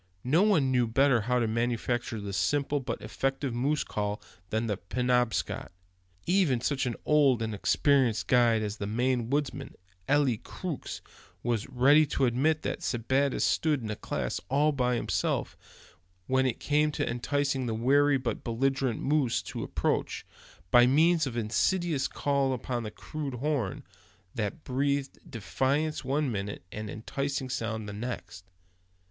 No one knew better how to manufacture the simple but effective moose call than the Penobscot. Even such an old and experienced guide as the Maine woodsman, Eli Crookes, was ready to admit that Sebattis stood in a class all by himself, when it came to enticing the wary but belligerent moose to approach, by means of insidious calls upon the crude horn, that breathed defiance one minute, and enticing sounds the next.